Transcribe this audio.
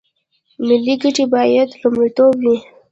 ملي ګټې باید لومړیتوب وي